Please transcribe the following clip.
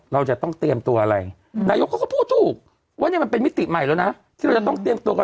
เราจะต้องเตรียมตัวอะไร